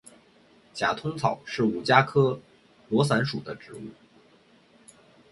假通草是五加科罗伞属的植物。